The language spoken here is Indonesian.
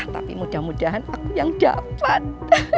tapi mudah mudahan aku yang dapat